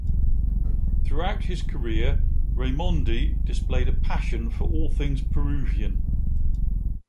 Throughout his career, Raimondi displayed a passion for all things Peruvian.